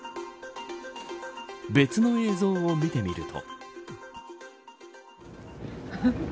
別の映像を見てみると。